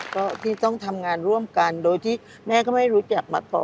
ก็ที่ต้องทำงานร่วมกันโดยที่แม่ก็ไม่รู้จักมาพอ